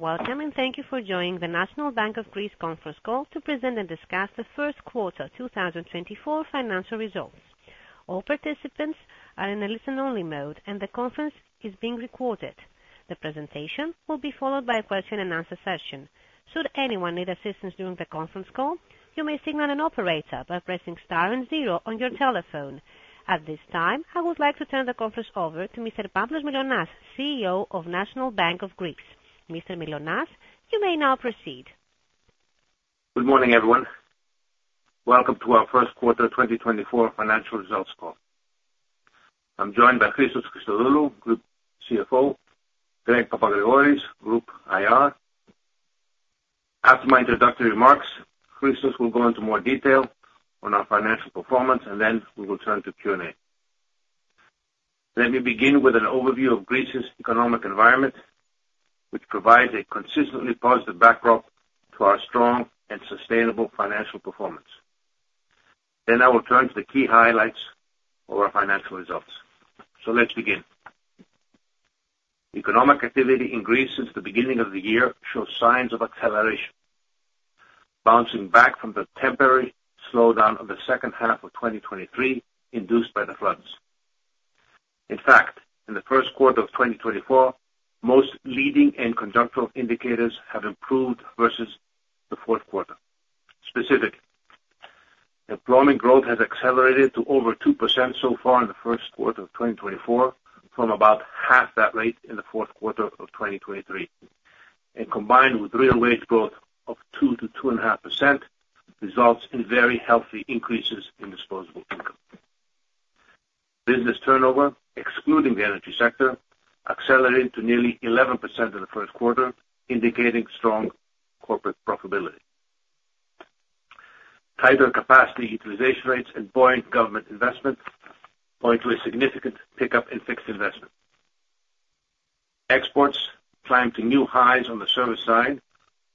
Welcome, and thank you for joining the National Bank of Greece conference call to present and discuss the first quarter 2024 financial results. All participants are in a listen-only mode, and the conference is being recorded. The presentation will be followed by a question and answer session. Should anyone need assistance during the conference call, you may signal an operator by pressing star and zero on your telephone. At this time, I would like to turn the conference over to Mr. Pavlos Mylonas, CEO of National Bank of Greece. Mr. Mylonas, you may now proceed. Good morning, everyone. Welcome to our first quarter 2024 financial results call. I'm joined by Christos Christodoulou, Group CFO, Greg Papagrigoris, Group IR. After my introductory remarks, Christos will go into more detail on our financial performance, and then we will turn to Q&A. Let me begin with an overview of Greece's economic environment, which provides a consistently positive backdrop to our strong and sustainable financial performance. Then I will turn to the key highlights of our financial results. So let's begin. Economic activity in Greece since the beginning of the year shows signs of acceleration, bouncing back from the temporary slowdown of the second half of 2023, induced by the floods. In fact, in the first quarter of 2024, most leading and conjuncture indicators have improved versus the fourth quarter. Specifically, employment growth has accelerated to over 2% so far in the first quarter of 2024, from about half that rate in the fourth quarter of 2023, and combined with real wage growth of 2%-2.5%, results in very healthy increases in disposable income. Business turnover, excluding the energy sector, accelerated to nearly 11% in the first quarter, indicating strong corporate profitability. Higher capacity utilization rates and buoyant government investment point to a significant pickup in fixed investment. Exports climbed to new highs on the service side,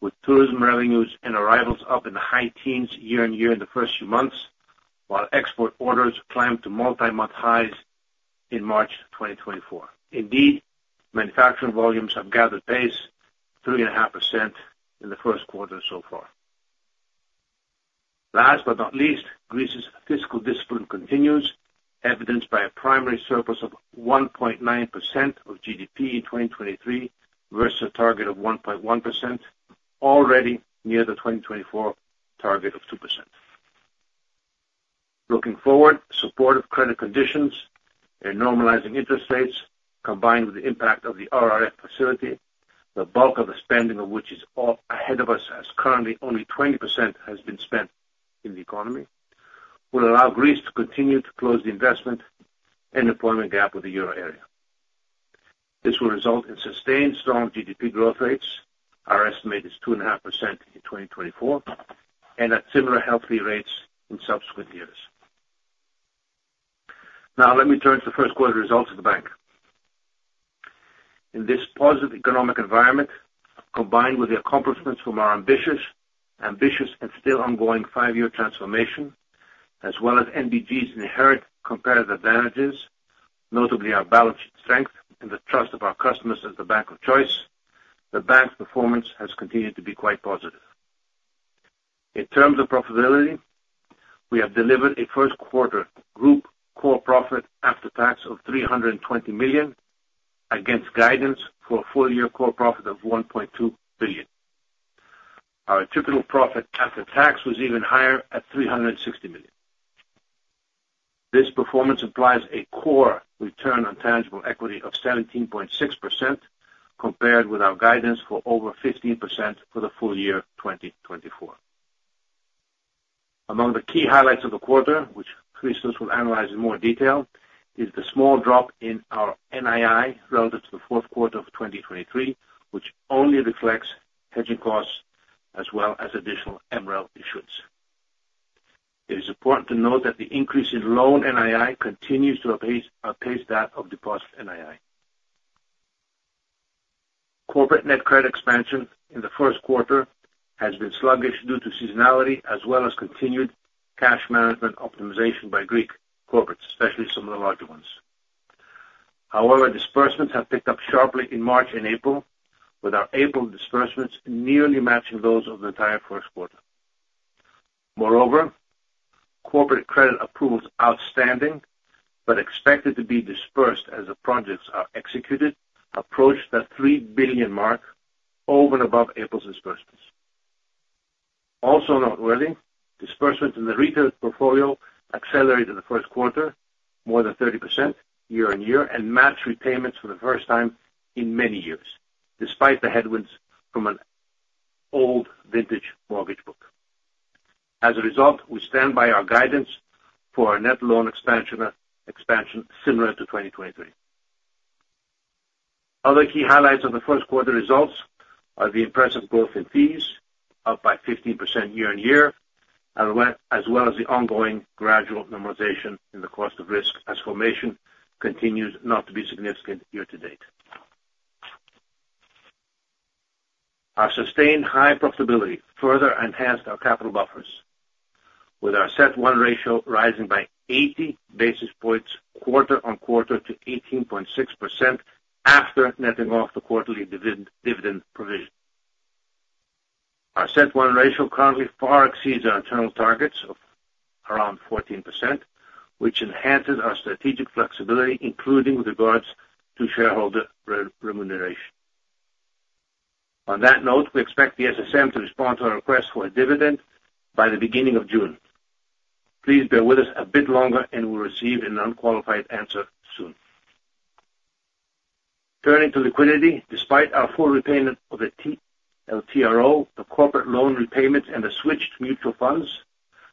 with tourism revenues and arrivals up in the high teens year-on-year in the first few months, while export orders climbed to multi-month highs in March 2024. Indeed, manufacturing volumes have gathered pace 3.5% in the first quarter so far. Last but not least, Greece's fiscal discipline continues, evidenced by a primary surplus of 1.9% of GDP in 2023, versus a target of 1.1%, already near the 2024 target of 2%. Looking forward, supportive credit conditions and normalizing interest rates, combined with the impact of the RRF facility, the bulk of the spending of which is all ahead of us, as currently only 20% has been spent in the economy, will allow Greece to continue to close the investment and deployment gap with the euro area. This will result in sustained strong GDP growth rates. Our estimate is 2.5% in 2024, and at similar healthy rates in subsequent years. Now, let me turn to the first quarter results of the bank. In this positive economic environment, combined with the accomplishments from our ambitious, ambitious and still ongoing five-year transformation, as well as NBG's inherent comparative advantages, notably our balance sheet strength and the trust of our customers as the bank of choice, the bank's performance has continued to be quite positive. In terms of profitability, we have delivered a first quarter group core profit after tax of 320 million, against guidance for a full year core profit of 1.2 billion. Our typical profit after tax was even higher at 360 million. This performance implies a core return on tangible equity of 17.6%, compared with our guidance for over 15% for the full year 2024. Among the key highlights of the quarter, which Christos will analyze in more detail, is the small drop in our NII relative to the fourth quarter of 2023, which only reflects hedging costs as well as additional MREL issuance. It is important to note that the increase in loan NII continues to apace, pace that of deposit NII. Corporate net credit expansion in the first quarter has been sluggish due to seasonality as well as continued cash management optimization by Greek corporates, especially some of the larger ones. However, disbursements have picked up sharply in March and April, with our April disbursements nearly matching those of the entire first quarter. Moreover, corporate credit approvals outstanding, but expected to be disbursed as the projects are executed, approached the 3 billion mark over and above April's disbursements. Also noteworthy, disbursements in the retail portfolio accelerated in the first quarter, more than 30% year-on-year, and matched repayments for the first time in many years, despite the headwinds from an old vintage mortgage book. As a result, we stand by our guidance for our net loan expansion, expansion similar to 2023. Other key highlights of the first quarter results are the impressive growth in fees, up by 15% year-on-year, and well, as well as the ongoing gradual normalization in the cost of risk as formation continues not to be significant year to date. Our sustained high profitability further enhanced our capital buffers. With our CET1 ratio rising by 80 basis points quarter-on-quarter to 18.6% after netting off the quarterly dividend provision. Our CET1 ratio currently far exceeds our internal targets of around 14%, which enhances our strategic flexibility, including with regards to shareholder remuneration. On that note, we expect the SSM to respond to our request for a dividend by the beginning of June. Please bear with us a bit longer, and we'll receive an unqualified answer soon. Turning to liquidity, despite our full repayment of the TLTRO, the corporate loan repayments, and the switch to mutual funds,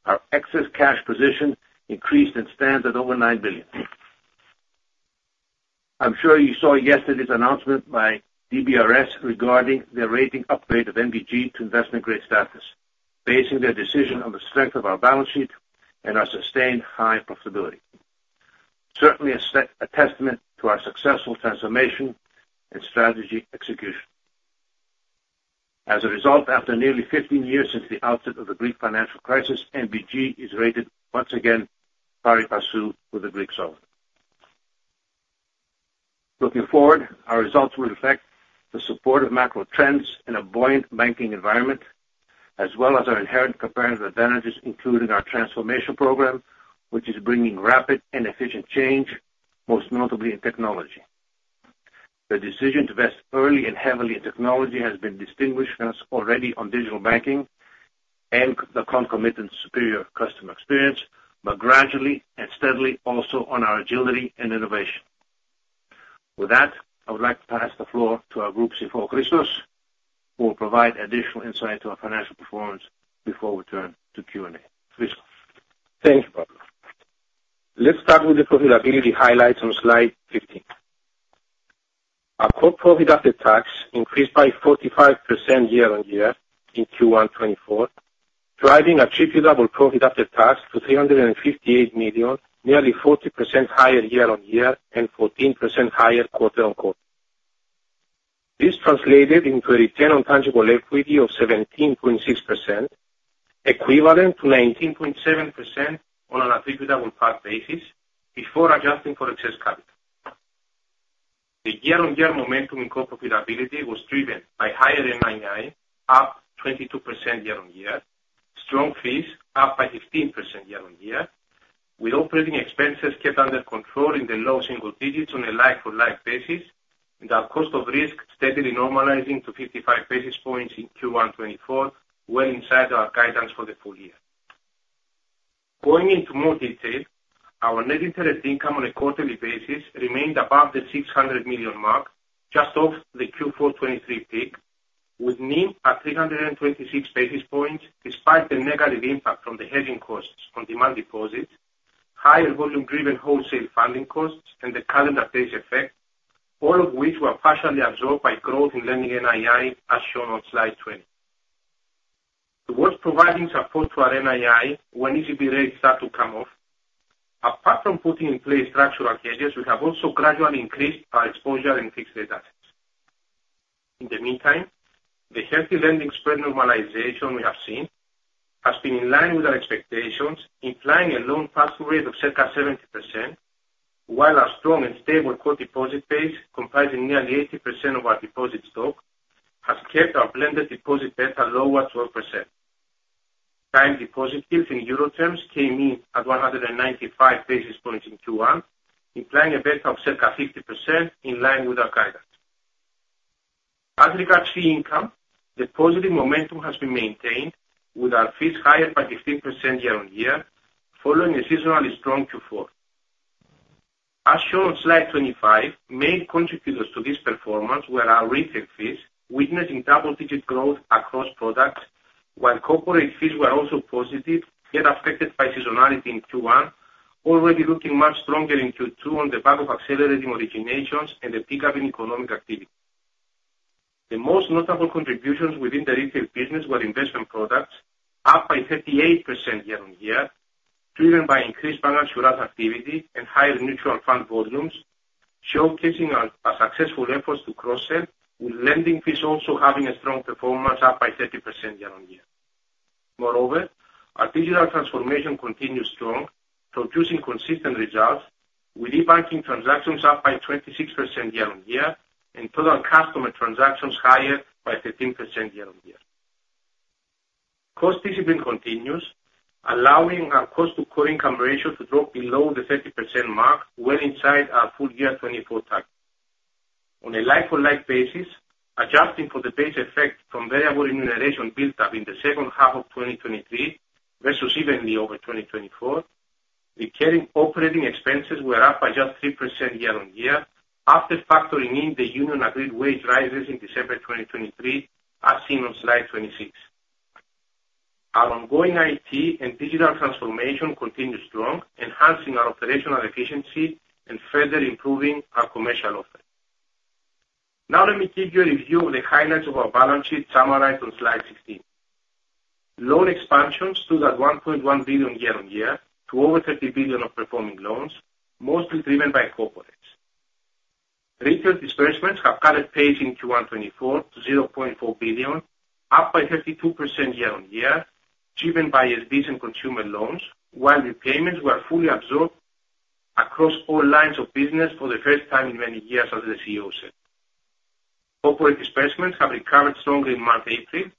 our excess cash position increased and stands at over 9 billion. I'm sure you saw yesterday's announcement by DBRS regarding their rating upgrade of NBG to investment-grade status, basing their decision on the strength of our balance sheet and our sustained high profitability. Certainly a set, a testament to our successful transformation and strategy execution. As a result, after nearly 15 years since the outset of the Greek financial crisis, NBG is rated once again pari passu with the Greek sovereign. Looking forward, our results will reflect the support of macro trends in a buoyant banking environment, as well as our inherent comparative advantages, including our transformation program, which is bringing rapid and efficient change, most notably in technology. The decision to invest early and heavily in technology has been distinguishing us already on digital banking and the concomitant superior customer experience, but gradually and steadily also on our agility and innovation. With that, I would like to pass the floor to our Group CFO, Christos, who will provide additional insight into our financial performance before we turn to Q&A. Christos? Thank you, Pavlos. Let's start with the profitability highlights on slide 15. Our core profit after tax increased by 45% year-over-year in Q1 2024, driving attributable profit after tax to 358 million, nearly 40% higher year-over-year and 14% higher quarter-over-quarter. This translated into a return on tangible equity of 17.6%, equivalent to 19.7% on an attributable part basis before adjusting for excess capital. The year-over-year momentum in core profitability was driven by higher NII, up 22% year-over-year, strong fees up by 15% year-over-year, with operating expenses kept under control in the low single digits on a like-for-like basis, and our cost of risk steadily normalizing to 55 basis points in Q1 2024, well inside our guidance for the full year. Going into more detail, our net interest income on a quarterly basis remained above the 600 million mark, just off the Q4 2023 peak, with NIM at 326 basis points, despite the negative impact from the hedging costs on demand deposits, higher volume-driven wholesale funding costs, and the calendar base effect, all of which were partially absorbed by growth in lending NII, as shown on slide 20. Towards providing support to our NII when ECB rates start to come off, apart from putting in place structural hedges, we have also gradually increased our exposure in fixed rate assets. In the meantime, the healthy lending spread normalization we have seen has been in line with our expectations, implying a loan pass-through rate of circa 70%, while our strong and stable core deposit base, comprising nearly 80% of our deposit stock, has kept our blended deposit beta lower 12%. Time deposit yields in Euro terms came in at 195 basis points in Q1, implying a beta of circa 50%, in line with our guidance. As regards fee income, the positive momentum has been maintained, with our fees higher by 15% year-on-year, following a seasonally strong Q4. As shown on slide 25, main contributors to this performance were our retail fees, witnessing double-digit growth across products, while corporate fees were also positive, yet affected by seasonality in Q1, already looking much stronger in Q2 on the back of accelerating originations and the pickup in economic activity. The most notable contributions within the retail business were investment products, up by 38% year-on-year, driven by increased financial activity and higher mutual fund volumes, showcasing our successful efforts to cross-sell, with lending fees also having a strong performance, up by 30% year-on-year. Moreover, our digital transformation continues strong, producing consistent results, with e-banking transactions up by 26% year-on-year and total customer transactions higher by 15% year-on-year. Cost discipline continues, allowing our cost-to-core income ratio to drop below the 30% mark, well inside our full year 2024 target. On a like-for-like basis, adjusting for the base effect from variable remuneration built up in the second half of 2023 versus evenly over 2024, the carrying operating expenses were up by just 3% year on year after factoring in the union agreed wage rises in December 2023, as seen on slide 26. Our ongoing IT and digital transformation continue strong, enhancing our operational efficiency and further improving our commercial offer. Now let me give you a review of the highlights of our balance sheet, summarized on slide 16. Loan expansions stood at 1.1 billion year-on-year to over 30 billion of performing loans, mostly driven by corporate. Retail disbursements have gathered pace in Q1 2024 to 0.4 billion, up by 32% year-on-year, driven by SB and consumer loans, while repayments were fully absorbed across all lines of business for the first time in many years, as the CEO said. Corporate disbursements have recovered strongly in April,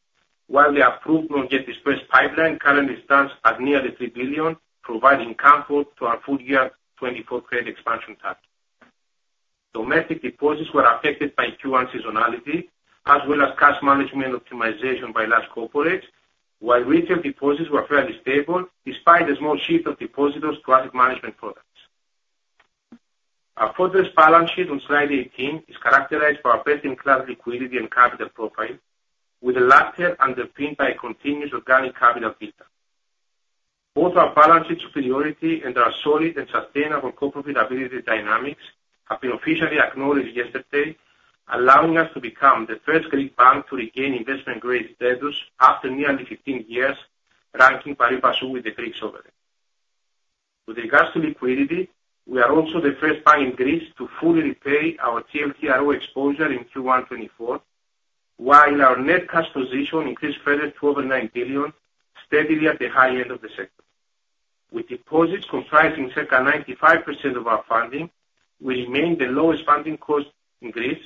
while the approved loan-to-get-disbursed pipeline currently stands at nearly 3 billion, providing comfort to our full-year 2024 credit expansion target. Domestic deposits were affected by Q1 seasonality, as well as cash management optimization by large corporates, while retail deposits were fairly stable despite a small shift of depositors to asset management products. Our fortress balance sheet on slide 18 is characterized by our best-in-class liquidity and capital profile, with the latter underpinned by continuous organic capital build-up. Both our balance sheet superiority and our solid and sustainable core profitability dynamics have been officially acknowledged yesterday, allowing us to become the first Greek bank to regain investment grade status after nearly 15 years, ranking pari passu with the Greek sovereign. With regards to liquidity, we are also the first bank in Greece to fully repay our TLTRO exposure in Q1 2024, while our net cash position increased further to over 9 billion, steadily at the high end of the sector. With deposits comprising circa 95% of our funding, we remain the lowest funding cost in Greece,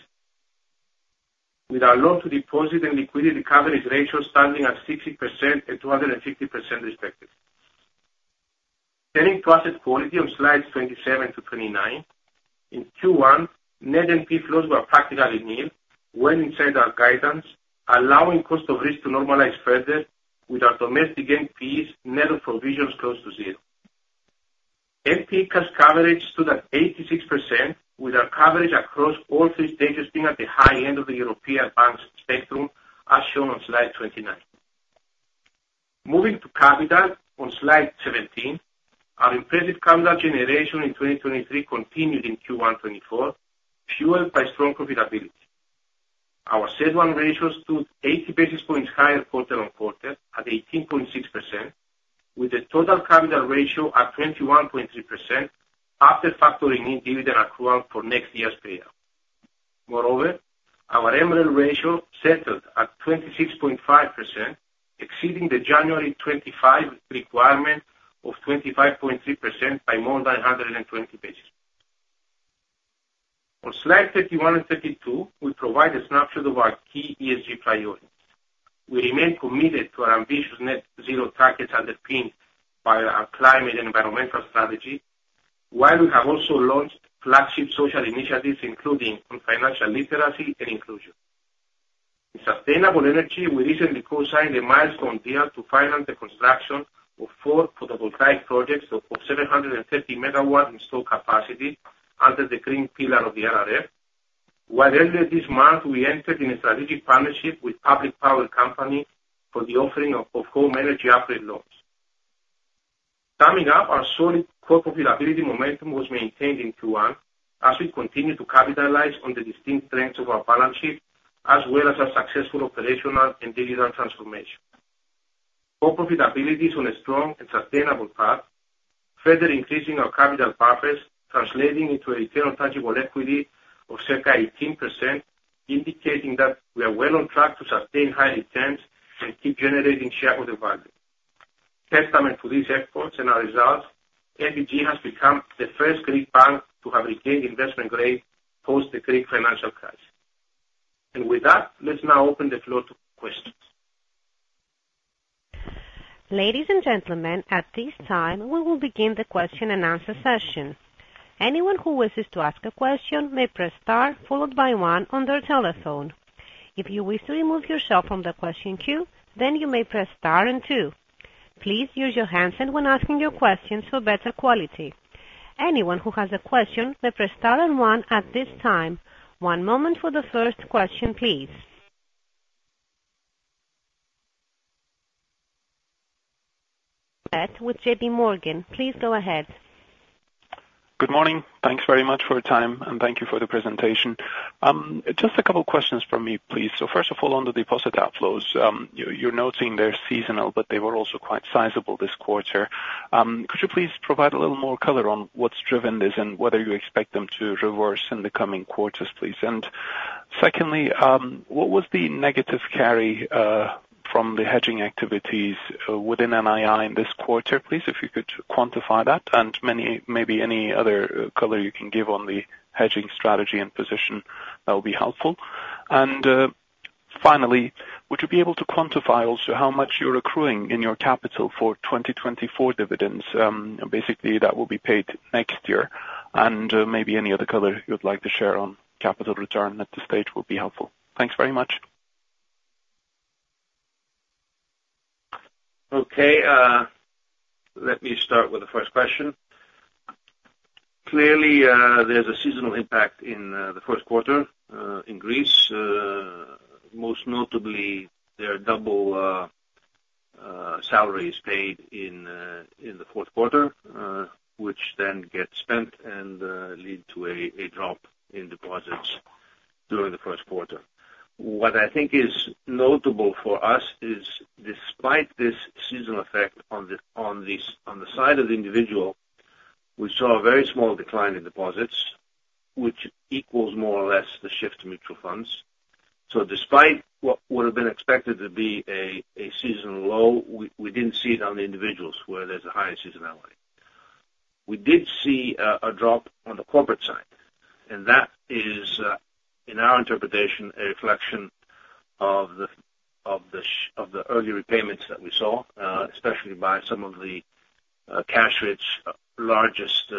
with our loan to deposit and liquidity coverage ratio standing at 60% and 250% respectively. Turning to asset quality on slides 27-29. In Q1, net NPE flows were practically nil, well inside our guidance, allowing cost of risk to normalize further with our domestic NPEs net of provisions close to zero. NP cash coverage stood at 86%, with our coverage across all three stages being at the high end of the European banks spectrum, as shown on slide 29. Moving to capital on slide 17. Our impressive capital generation in 2023 continued in Q1 2024, fueled by strong profitability. Our CET1 ratios stood 80 basis points higher quarter on quarter, at 18.6%, with a total capital ratio at 21.3% after factoring in dividend accrual for next year's payout. Moreover, our MREL ratio settled at 26.5%, exceeding the January 2025 requirement of 25.3% by more than 120 basis points. On slide 31 and 32, we provide a snapshot of our key ESG priorities. We remain committed to our ambitious net zero target, underpinned by our climate and environmental strategy, while we have also launched flagship social initiatives, including on financial literacy and inclusion. In sustainable energy, we recently co-signed a milestone deal to finance the construction of four photovoltaic projects of 730 MW installed capacity under the green pillar of the RRF. While earlier this month, we entered in a strategic partnership with Public Power Corporation for the offering of home energy upgrade loans. Summing up, our solid core profitability momentum was maintained in Q1 as we continued to capitalize on the distinct strengths of our balance sheet, as well as our successful operational and digital transformation. Our profitability is on a strong and sustainable path, further increasing our capital buffers, translating into a return on tangible equity of circa 18%, indicating that we are well on track to sustain high returns and keep generating shareholder value. Testament to these efforts and our results, NBG has become the first Greek bank to have regained investment grade post the Greek financial crisis. With that, let's now open the floor to questions. Ladies and gentlemen, at this time, we will begin the question and answer session. Anyone who wishes to ask a question may press star, followed by one on their telephone. If you wish to remove yourself from the question queue, then you may press star and two. Please use your handset when asking your questions for better quality. Anyone who has a question, may press star and one at this time. One moment for the first question, please. Mehmet Sevim with JPMorgan, please go ahead. Good morning. Thanks very much for your time, and thank you for the presentation. Just a couple questions from me, please. So first of all, on the deposit outflows, you’re noting they’re seasonal, but they were also quite sizable this quarter. Could you please provide a little more color on what’s driven this and whether you expect them to reverse in the coming quarters, please? And secondly, what was the negative carry from the hedging activities within NII in this quarter, please, if you could quantify that and maybe any other color you can give on the hedging strategy and position, that will be helpful. And finally, would you be able to quantify also how much you’re accruing in your capital for 2024 dividends, basically that will be paid next year? Maybe any other color you'd like to share on capital return at this stage will be helpful. Thanks very much. Okay, let me start with the first question. Clearly, there's a seasonal impact in the first quarter in Greece. Most notably, there are double salaries paid in the fourth quarter, which then get spent and lead to a drop in deposits.... during the first quarter. What I think is notable for us is, despite this seasonal effect on the side of the individual, we saw a very small decline in deposits, which equals more or less the shift to mutual funds. So despite what would have been expected to be a seasonal low, we didn't see it on the individuals where there's a higher seasonality. We did see a drop on the corporate side, and that is, in our interpretation, a reflection of the early repayments that we saw, especially by some of the cash-rich largest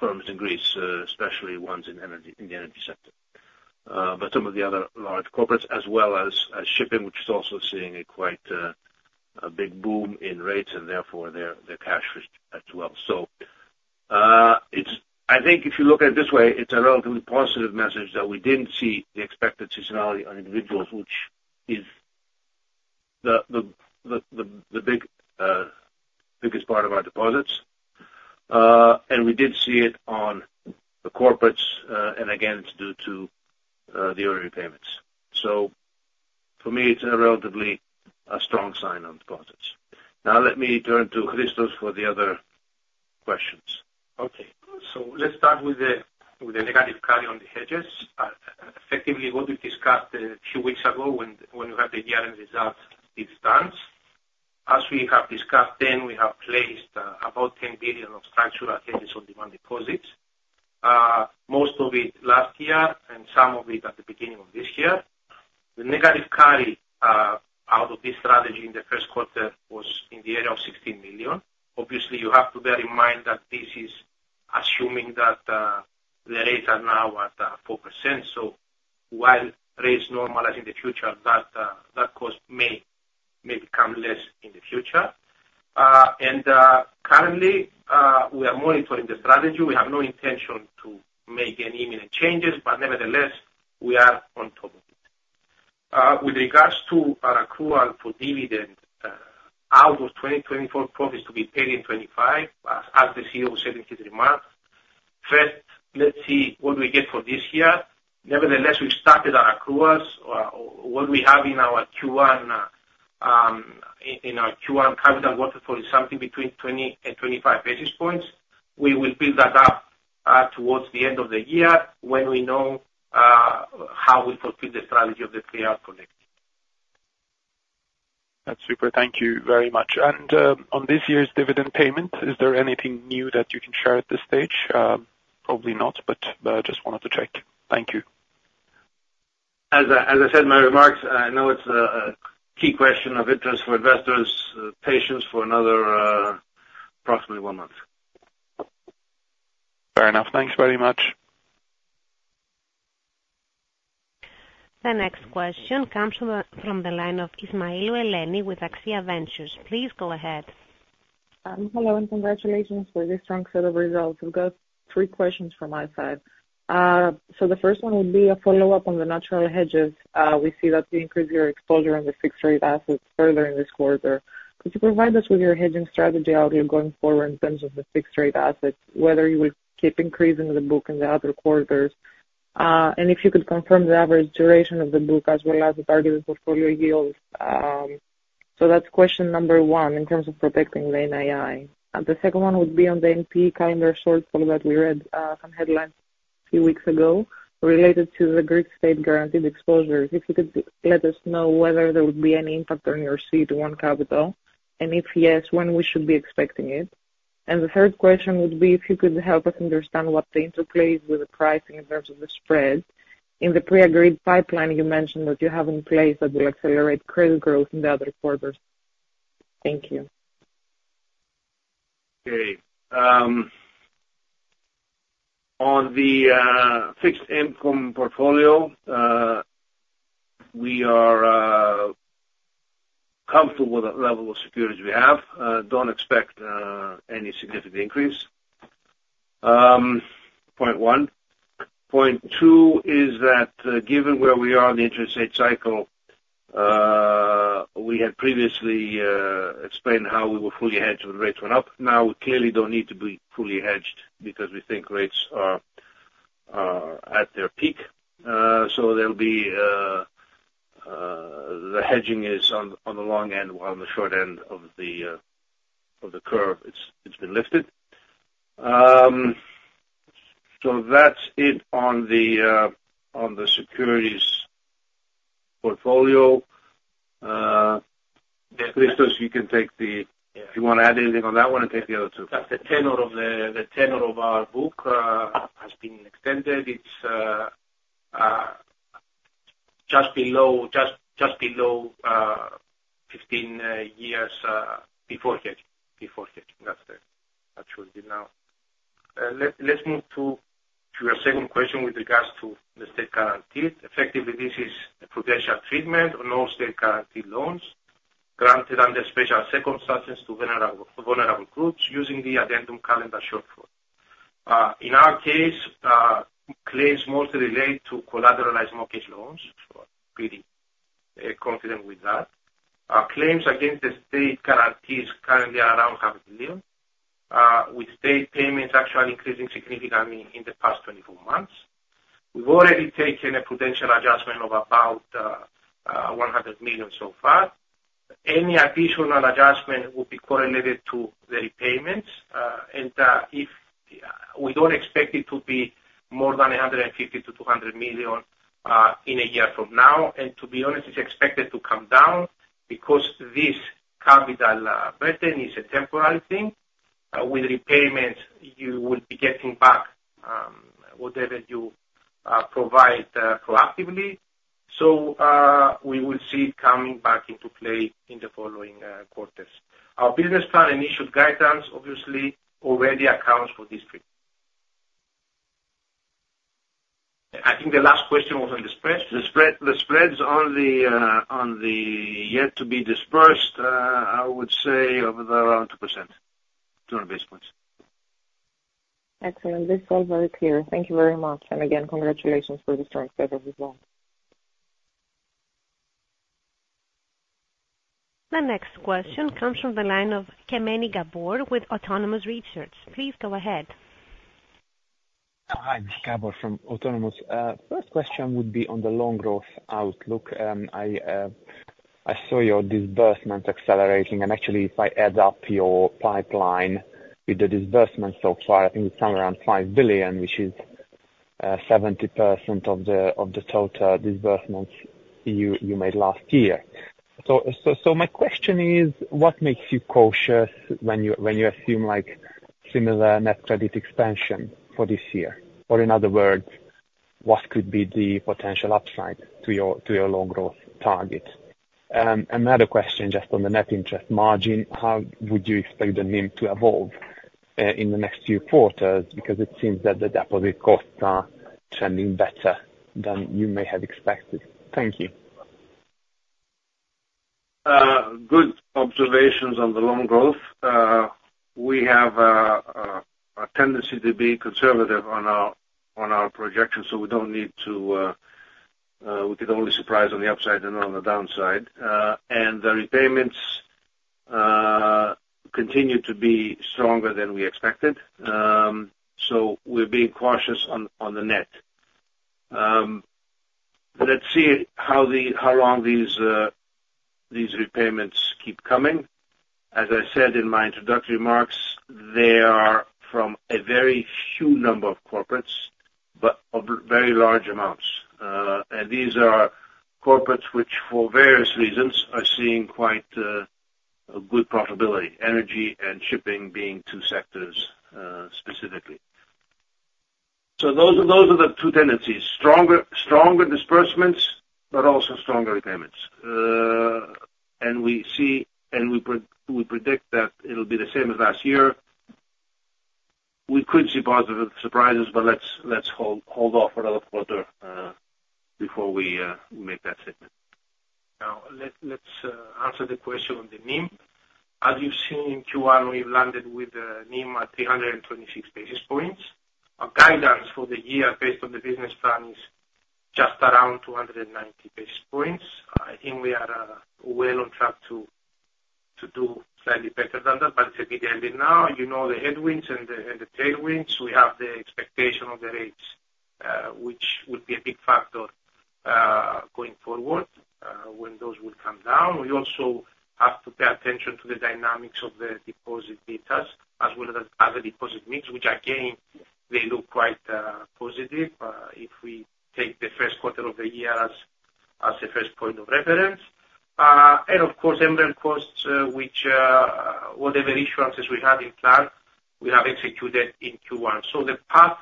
firms in Greece, especially ones in energy, in the energy sector. But some of the other large corporates, as well as shipping, which is also seeing a quite a big boom in rates, and therefore they're cash-rich as well. So, it's—I think if you look at it this way, it's a relatively positive message that we didn't see the expected seasonality on individuals, which is the biggest part of our deposits. And we did see it on the corporates, and again, it's due to the early repayments. So for me, it's a relatively strong sign on deposits. Now let me turn to Christos for the other questions. Okay. So let's start with the negative carry on the hedges. Effectively, what we discussed a few weeks ago when we had the year-end results, it stands. As we have discussed then, we have placed about 10 billion of structural hedges on demand deposits. Most of it last year, and some of it at the beginning of this year. The negative carry out of this strategy in the first quarter was in the area of 16 million. Obviously, you have to bear in mind that this is assuming that the rates are now at 4%, so while rates normalize in the future, that cost may become less in the future. And currently, we are monitoring the strategy. We have no intention to make any immediate changes, but nevertheless, we are on top of it. With regards to our accrual for dividend out of 2024 profits to be paid in 2025, as the CEO said in his remarks, first, let's see what we get for this year. Nevertheless, we've started our accruals. What we have in our Q1 capital waterfall is something between 20 and 25 basis points. We will build that up towards the end of the year, when we know how we fulfill the strategy of the payout collected. That's super. Thank you very much. And on this year's dividend payment, is there anything new that you can share at this stage? Probably not, but just wanted to check. Thank you. As I said in my remarks, I know it's a key question of interest for investors. Patience for another approximately one month. Fair enough. Thanks very much. The next question comes from the line of Eleni Ismailou with Axia Ventures. Please go ahead. Hello, and congratulations for this strong set of results. We've got three questions from my side. The first one would be a follow-up on the natural hedges. We see that you increased your exposure on the fixed rate assets further in this quarter. Could you provide us with your hedging strategy outlook going forward in terms of the fixed rate assets, whether you will keep increasing the book in the other quarters? And if you could confirm the average duration of the book, as well as the target portfolio yields. That's question number one, in terms of protecting the NII. The second one would be on the NPE calendar shortfall that we read, some headlines a few weeks ago, related to the Greek state-guaranteed exposures. If you could let us know whether there would be any impact on your CET1 capital, and if yes, when we should be expecting it? And the third question would be, if you could help us understand what the interplay with the pricing in terms of the spread in the pre-agreed pipeline you mentioned that you have in place that will accelerate credit growth in the other quarters? Thank you. Okay. On the fixed income portfolio, we are comfortable with the level of securities we have. Don't expect any significant increase. Point one. Point two is that, given where we are in the interest rate cycle, we had previously explained how we were fully hedged when rates went up. Now, we clearly don't need to be fully hedged, because we think rates are at their peak. So there'll be the hedging is on the long end, while on the short end of the curve, it's been lifted. So that's it on the securities portfolio. Christos, you can take the- Yeah. If you want to add anything on that one, and take the other two. The tenor of our book has been extended. It's just below 15 years before hedging. That's it, actually now. Let's move to your second question with regards to the state guarantees. Effectively, this is a potential treatment on all state guarantee loans, granted under special circumstances to vulnerable groups, using the Addendum calendar shortfall. In our case, claims mostly relate to collateralized mortgage loans, so pretty confident with that. Claims against the state guarantees currently are around 500 million with state payments actually increasing significantly in the past 24 months. We've already taken a prudential adjustment of about 100 million so far. Any additional adjustment will be correlated to the repayments, and, if, we don't expect it to be more than 150 million-200 million, in a year from now. And to be honest, it's expected to come down, because this capital, burden is a temporary thing. With repayments, you will be getting back, whatever you, provide, proactively. So, we will see it coming back into play in the following, quarters. Our business plan initial guidance, obviously, already accounts for this. I think the last question was on the spreads? The spread, the spreads on the yet to be dispersed, I would say, are around 2%, 200 basis points. Excellent. This is all very clear. Thank you very much. And again, congratulations for the strong set of results. The next question comes from the line of Gabor Kemeny with Autonomous Research. Please go ahead. Hi, Gabor from Autonomous. First question would be on the loan growth outlook. I saw your disbursement accelerating, and actually, if I add up your pipeline with the disbursement so far, I think it's somewhere around 5 billion, which is 70% of the total disbursements you made last year. So my question is: what makes you cautious when you assume, like, similar net credit expansion for this year? Or in other words, what could be the potential upside to your loan growth target? Another question just on the net interest margin. How would you expect the NIM to evolve in the next few quarters? Because it seems that the deposit costs are trending better than you may have expected. Thank you. Good observations on the loan growth. We have a tendency to be conservative on our projections, so we don't need to we could only surprise on the upside and on the downside. And the repayments continue to be stronger than we expected, so we're being cautious on the net. Let's see how long these repayments keep coming. As I said in my introductory remarks, they are from a very few number of corporates, but of very large amounts. And these are corporates which, for various reasons, are seeing quite a good profitability, energy and shipping being two sectors, specifically. So those are the two tendencies: stronger, stronger disbursements, but also stronger repayments. And we see, and we predict that it'll be the same as last year. We could see positive surprises, but let's hold off a little further before we make that statement. Now, let's answer the question on the NIM. As you've seen in Q1, we've landed with NIM at 326 basis points. Our guidance for the year, based on the business plan, is just around 290 basis points. I think we are well on track to do slightly better than that, but it's a bit early now. You know, the headwinds and the tailwinds. We have the expectation of the rates, which would be a big factor going forward when those will come down. We also have to pay attention to the dynamics of the deposit betas, as well as the other deposit mix, which again they look quite positive if we take the first quarter of the year as a first point of reference. And of course, embedded costs, which whatever insurance we have planned, we have executed in Q1. So the path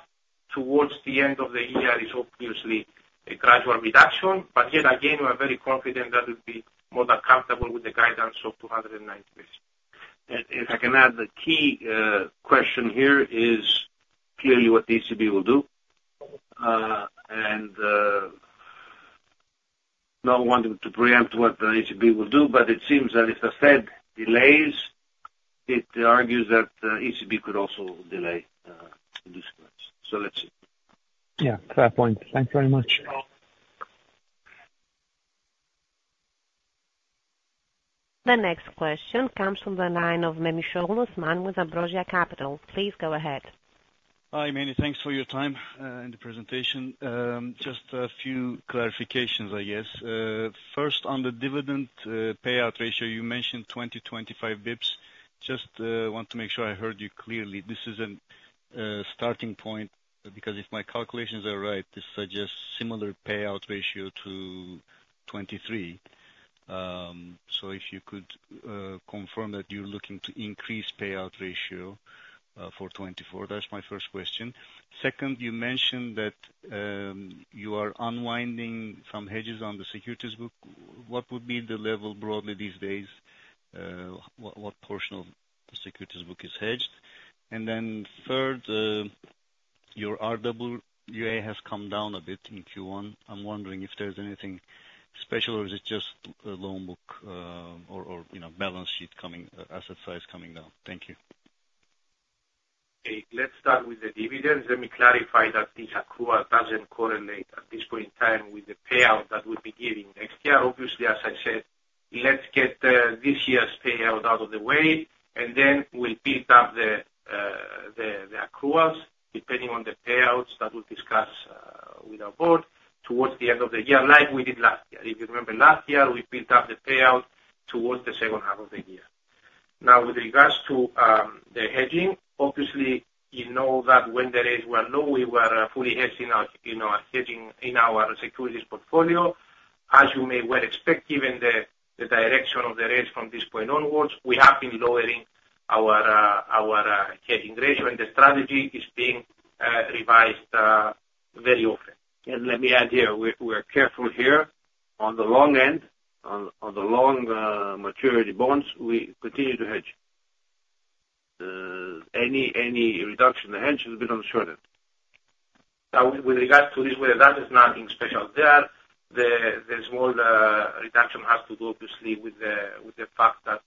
towards the end of the year is obviously a gradual reduction, but yet again, we're very confident that we'll be more than comfortable with the guidance of 290 basis points. And if I can add, the key question here is clearly what the ECB will do. And not wanting to preempt what the ECB will do, but it seems that if the Fed delays, it argues that ECB could also delay disbursements. So let's see. Yeah, fair point. Thank you very much. The next question comes from the line of Osman Memisoglu with Ambrosia Capital. Please go ahead. Hi, Manny, thanks for your time and the presentation. Just a few clarifications, I guess. First, on the dividend payout ratio, you mentioned 20-25 bps. Just want to make sure I heard you clearly. This is a starting point, because if my calculations are right, this suggests similar payout ratio to 2023. So if you could confirm that you're looking to increase payout ratio for 2024? That's my first question. Second, you mentioned that you are unwinding some hedges on the securities book. What would be the level broadly these days? What portion of the securities book is hedged? And then third, your RWA has come down a bit in Q1. I'm wondering if there's anything special, or is it just the loan book, you know, balance sheet coming, asset size coming down? Thank you. ... Okay, let's start with the dividends. Let me clarify that this accrual doesn't correlate, at this point in time, with the payout that we'll be giving next year. Obviously, as I said, let's get this year's payout out of the way, and then we'll build up the accruals, depending on the payouts that we'll discuss with our board towards the end of the year, like we did last year. If you remember, last year, we built up the payout towards the second half of the year. Now, with regards to the hedging, obviously, you know that when the rates were low, we were fully hedging our, you know, hedging in our securities portfolio. As you may well expect, given the direction of the rates from this point onwards, we have been lowering our hedging ratio, and the strategy is being revised very often. And let me add here, we are careful here. On the long end, on the long maturity bonds, we continue to hedge. Any reduction in the hedge has been on the short end. Now, with regards to risk-weighted assets, nothing special there. The small reduction has to do, obviously, with the fact that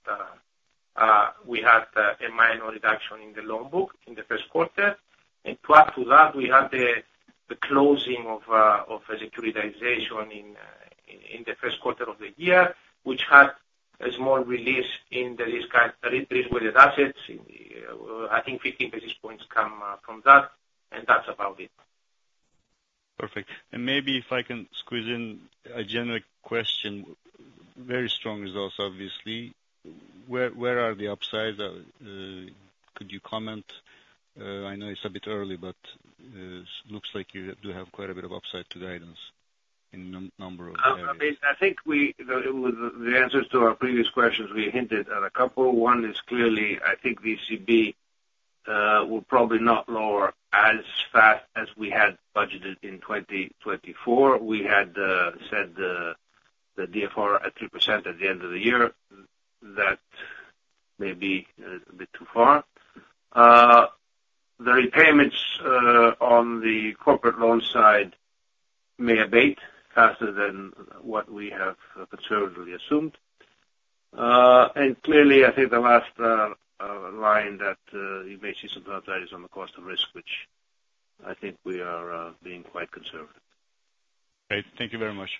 we had a minor reduction in the loan book in the first quarter. And to add to that, we had the closing of the securitization in the first quarter of the year, which had a small release in the risk-weighted assets. I think 15 basis points come from that, and that's about it. Perfect. And maybe if I can squeeze in a general question: Very strong results, obviously. Where, where are the upsides? Could you comment? I know it's a bit early, but looks like you do have quite a bit of upside to guidance in number of areas. I mean, I think the answers to our previous questions, we hinted at a couple. One is clearly, I think the ECB will probably not lower as fast as we had budgeted in 2024. We had said the DFR at 3% at the end of the year. That may be a bit too far. The repayments on the corporate loan side may abate faster than what we have conservatively assumed. And clearly, I think the last line that you may see some upside is on the cost of risk, which I think we are being quite conservative. Great. Thank you very much.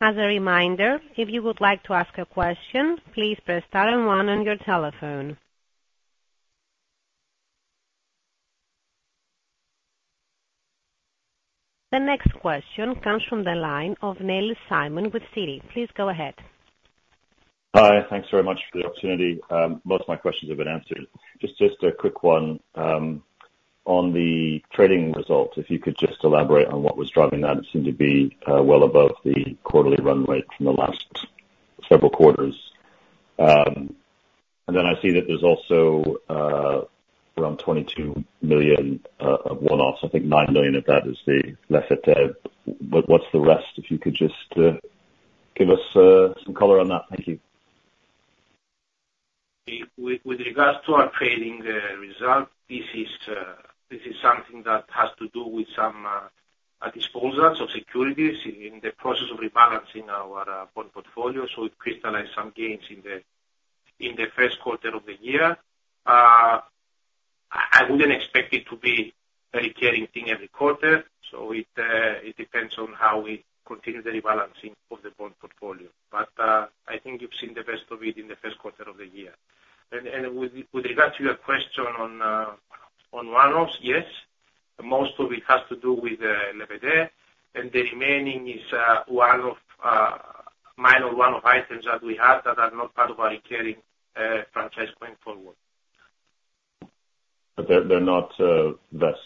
As a reminder, if you would like to ask a question, please press star and one on your telephone. The next question comes from the line of Simon Nellis with Citi. Please go ahead. Hi. Thanks very much for the opportunity. Most of my questions have been answered. Just a quick one. On the trading results, if you could just elaborate on what was driving that. It seemed to be well above the quarterly run rate from the last several quarters. And then I see that there's also around 22 million of one-offs. I think 9 million of that is the LEPETE. But what's the rest? If you could just give us some color on that. Thank you. With regards to our trading result, this is something that has to do with some disposals of securities in the process of rebalancing our bond portfolio. So we crystallized some gains in the first quarter of the year. I wouldn't expect it to be a recurring thing every quarter, so it depends on how we continue the rebalancing of the bond portfolio. But I think you've seen the best of it in the first quarter of the year. And with regards to your question on one-offs, yes, most of it has to do with LEPETE, and the remaining is one-off minor one-off items that we have, that are not part of our recurring franchise going forward. But they're not less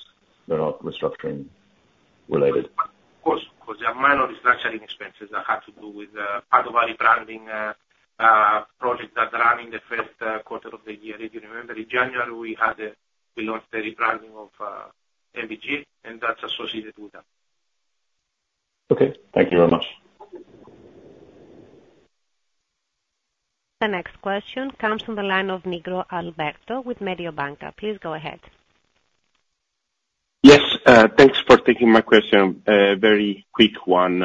restructuring-related? Of course, of course. They are minor restructuring expenses that have to do with part of our rebranding project that ran in the first quarter of the year. If you remember, in January, we had we launched the rebranding of NBG, and that's associated with that. Okay. Thank you very much. The next question comes from the line of Alberto Nigro with Mediobanca. Please go ahead. Yes, thanks for taking my question. Very quick one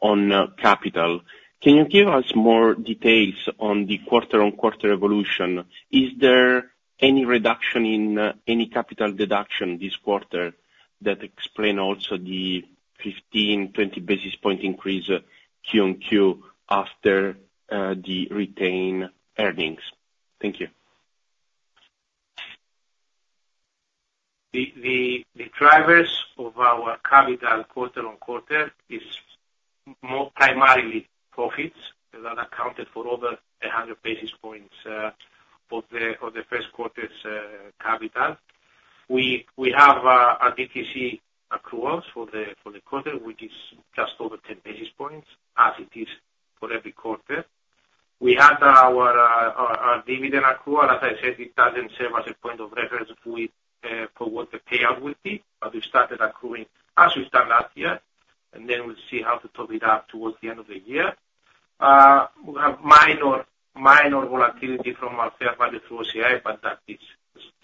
on capital. Can you give us more details on the quarter-on-quarter evolution? Is there any reduction in any capital deduction this quarter that explain also the 15-20 basis point increase Q on Q after the retained earnings? Thank you. The drivers of our capital quarter-on-quarter is more primarily profits, that accounted for over 100 basis points of the first quarter's capital. We have a DTC accrual for the quarter, which is just over 10 basis points, as it is for every quarter. We had our dividend accrual. As I said, it doesn't serve as a point of reference for what the payout will be, but we started accruing as we started last year, and then we'll see how to top it up towards the end of the year. We have minor volatility from our fair value through OCI, but that is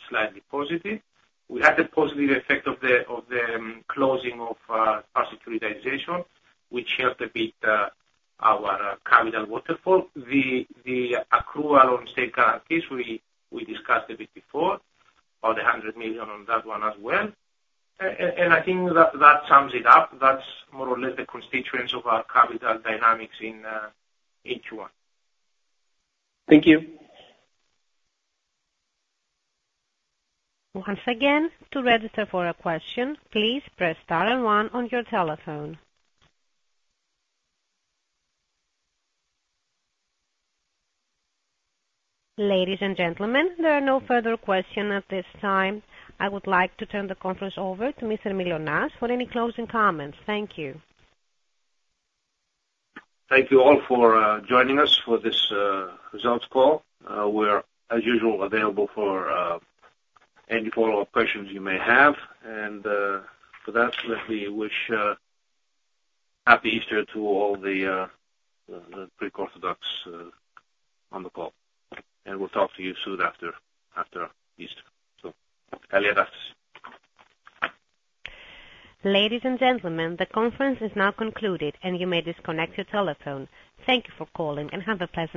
slightly positive. We had the positive effect of the closing of our securitization, which helped a bit our capital waterfall. The accrual on state guarantees, we discussed a bit before, about 100 million on that one as well. And I think that sums it up. That's more or less the constituents of our capital dynamics in H1. Thank you. Once again, to register for a question, please press star and one on your telephone. Ladies and gentlemen, there are no further questions at this time. I would like to turn the conference over to Mr. Mylonas for any closing comments. Thank you. Thank you all for joining us for this results call. We're, as usual, available for any follow-up questions you may have. And, for that, let me wish Happy Easter to all the Greek Orthodox on the call. And we'll talk to you soon after Easter. So, Ladies and gentlemen, the conference is now concluded, and you may disconnect your telephone. Thank you for calling, and have a pleasant day.